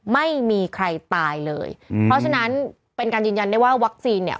ไม่มีใครตายเลยอืมเพราะฉะนั้นเป็นการยืนยันได้ว่าวัคซีนเนี่ย